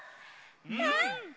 うん！